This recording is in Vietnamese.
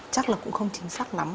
chắc là cũng không chính xác lắm